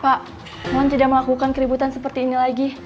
pak mohon tidak melakukan keributan seperti ini lagi